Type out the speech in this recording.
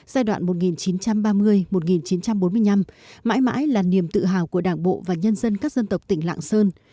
giai đoạn một nghìn chín trăm ba mươi một nghìn chín trăm bốn mươi năm mãi mãi là niềm tự hào của đảng bộ và nhân dân các dân tộc tỉnh lạng sơn